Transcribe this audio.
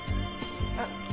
あっ。